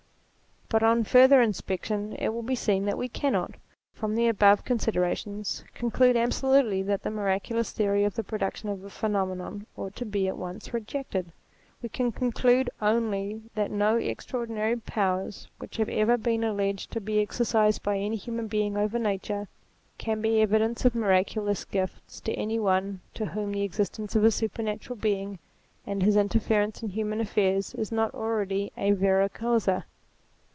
But on further inspec tion it will be seen that we cannot, from the above considerations, conclude absolutely that the miracu lous theory of the production of a phenomenon ought to be at once rejected. We can conclude only that no extraordinary powers which have ever been alleged 232 THEISM to be exercised by any human being over nature, can be evidence of miraculous gifts to any one to whom the existence of a supernatural Being, and his inter ference in human affairs, is not already a vera causa.